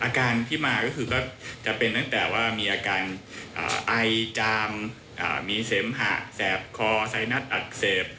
อาการที่มาก็คือก็จะเป็นตั้งแต่ว่ามีอาการไอจามมีเสมหะแสบคอไซนัสอักเสบ